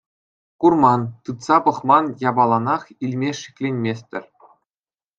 Курман, тытса пӑхман япаланах илме шикленместӗр.